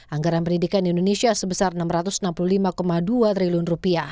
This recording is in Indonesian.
anggaran pendidikan di indonesia sebesar rp enam ratus enam puluh lima dua triliun